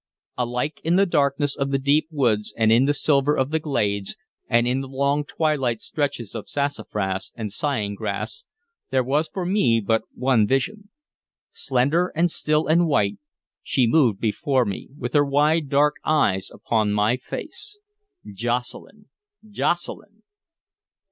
Alike in the darkness of the deep woods, and in the silver of the glades, and in the long twilight stretches of sassafras and sighing grass, there was for me but one vision. Slender and still and white, she moved before me, with her wide dark eyes upon my face. Jocelyn! Jocelyn!